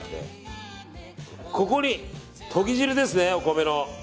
ここに、とぎ汁ですね、お米の。